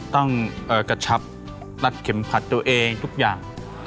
ต้องกระชับรัดเข็มขัดตัวเองทุกอย่าง